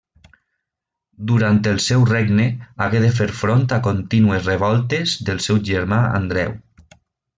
Durant el seu regne hagué de fer front a contínues revoltes del seu germà Andreu.